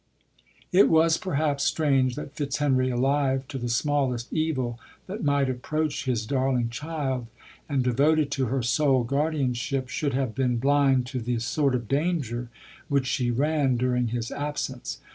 It was, perhaps, strange that Fitzhenry, alive to the smallest evil that might approach his darling child, and devoted to her sole guardianship, should have been blind to the sort of danger which she ran during his absence.